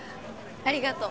ありがとう。